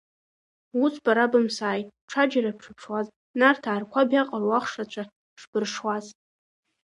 Ус бара бымсааит, ҽаџьара бшыԥшуаз, Нарҭаа рқәаб иаҟароу ахш рацәа шбыршуаз!